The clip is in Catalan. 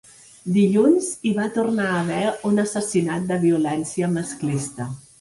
Dilluns hi va tornar a haver un assassinat de violència masclista.